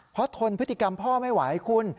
เพราะทนพฤติกรรมพ่อไม่ไหวคุณ